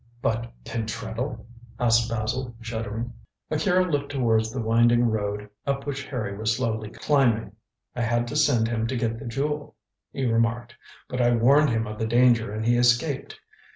"But Pentreddle?" asked Basil, shuddering. Akira looked towards the winding road up which Harry was slowly climbing. "I had to send him to get the Jewel," he remarked, "but I warned him of the danger and he escaped.